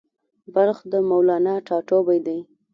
بلخ د مولانا ټاټوبی دی